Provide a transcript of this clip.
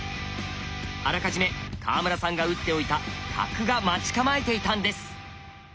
あらかじめ川村さんが打っておいた角が待ち構えていたんです。